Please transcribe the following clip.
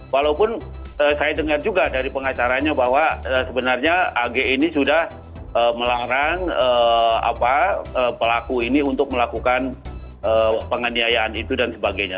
walaupun saya dengar juga dari pengacaranya bahwa sebenarnya ag ini sudah melarang pelaku ini untuk melakukan penganiayaan itu dan sebagainya